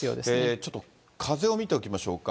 ちょっと風を見ておきましょうか。